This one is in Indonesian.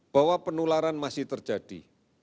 bahwa penularan masih terjadi